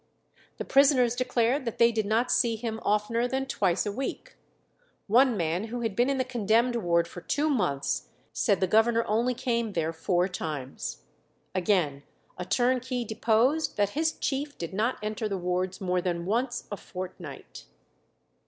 The prisoners declared that they did not see him oftener than twice a week; one man who had been in the condemned ward for two months, said the governor only came there four times. Again, a turnkey deposed that his chief did not enter the wards more than once a fortnight.